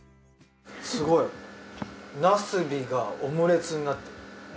すごいなすびがオムレツになってる。